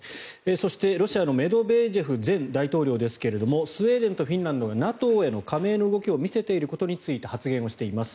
そしてロシアのメドベージェフ前大統領ですがスウェーデンとフィンランドがＮＡＴＯへの加盟の動きを見せていることについて発言をしています。